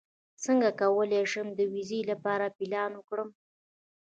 څنګه کولی شم د ویزې لپاره اپلای وکړم